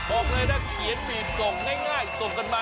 บอกเลยนะเขียนบีบส่งง่ายส่งกันมา